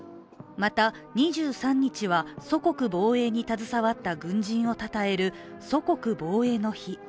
また、２３日は祖国防衛に携わった軍人をたたえる祖国防衛の日。